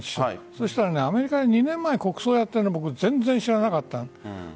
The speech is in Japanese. そしたらアメリカで２年前に国葬をやって全然知らなかった。